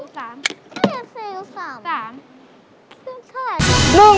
ใช่ครับตู้๓